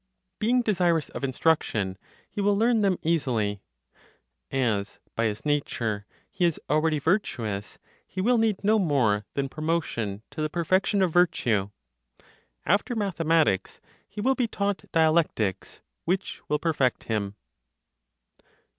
Being desirous of instruction, he will learn them easily; as, by his nature, he is already virtuous, he will need no more than promotion to the perfection of virtue. After mathematics, he will be taught dialectics, which will perfect him.